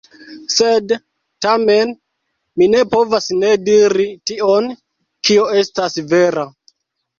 Sed tamen mi ne povas ne diri tion, kio estas vera.